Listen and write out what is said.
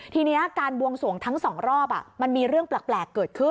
ทีนี้การบวงสวงทั้งสองรอบมันมีเรื่องแปลกเกิดขึ้น